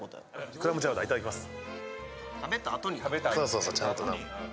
クラムチャウダーいただきます。